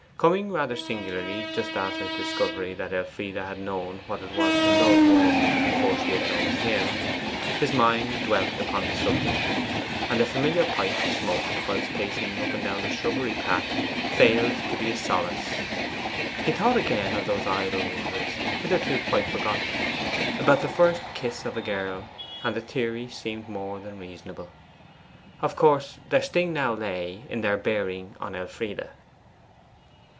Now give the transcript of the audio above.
Coming, rather singularly, just after his discovery that Elfride had known what it was to love warmly before she had known him, his mind dwelt upon the subject, and the familiar pipe he smoked, whilst pacing up and down the shrubbery path, failed to be a solace. He thought again of those idle words hitherto quite forgotten about the first kiss of a girl, and the theory seemed more than reasonable. Of course their sting now lay in their bearing on Elfride.